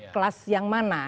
kelas yang mana